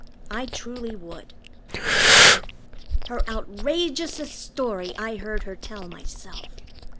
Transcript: I truly would. Her outrageousest story I heard her tell myself.